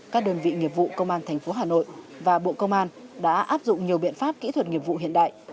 các đơn vị nghiệp vụ công an tp hà nội và bộ công an đã áp dụng nhiều biện pháp kỹ thuật nghiệp vụ hiện đại